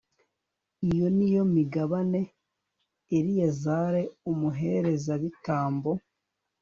iyo ni yo migabane, eleyazari umuherezabitambo